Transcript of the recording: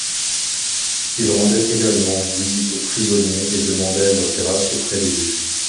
Il rendait également visite aux prisonniers et demandait leur grâce auprès des juges.